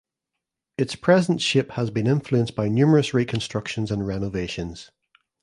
Its present shape has been influenced by numerous reconstructions and renovations.